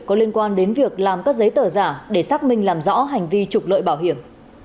có liên quan đến việc làm các giấy tờ giả để xác minh làm rõ hành vi trục lợi bảo hiểm